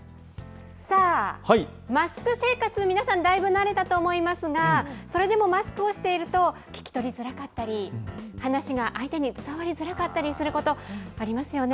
さあ、マスク生活、皆さんだいぶ慣れたと思いますが、それでもマスクをしていると、聞き取りづらかったり、話が相手に伝わりづらかったりすること、ありますよね。